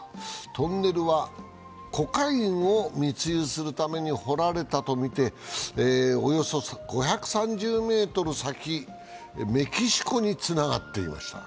トンネルはコカインを密輸するために掘られたとみておよそ５３０ｍ先、メキシコにつながっていました。